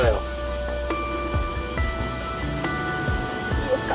いいですか？